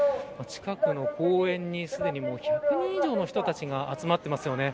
近くの公園にすでに１００人以上の人たちが集まっていますね。